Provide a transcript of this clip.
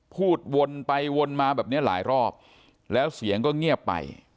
พูดวนไปวนมาแบบนี้หลายรอบแล้วเสียงก็เงียบไป